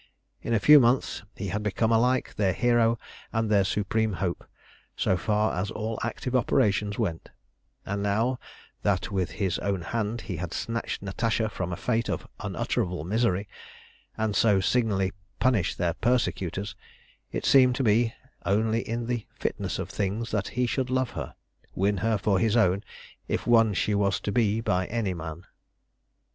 In a few months he had become alike their hero and their supreme hope, so far as all active operations went; and now that with his own hand he had snatched Natasha from a fate of unutterable misery, and so signally punished her persecutors, it seemed to be only in the fitness of things that he should love her, win her for his own, if won she was to be by any man.